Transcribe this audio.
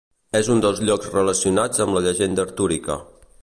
És un dels llocs relacionats amb la llegenda artúrica.